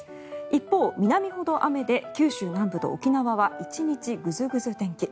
一方、南ほど雨で九州南部と沖縄は１日グズグズ天気。